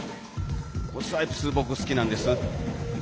スワイプス、僕、好きなんです。